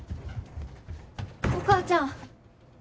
お母ちゃん！